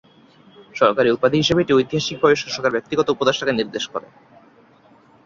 সরকারি উপাধি হিসেবে এটি ঐতিহাসিকভাবে শাসকের ব্যক্তিগত উপদেষ্টাকে নির্দেশ করে।